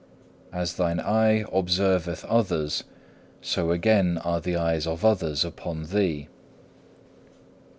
As thine eye observeth others, so again are the eyes of others upon thee.